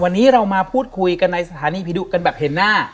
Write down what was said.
วันนี้เรามาพูดคุยกันในสถานีผีดุกันแบบเห็นหน้า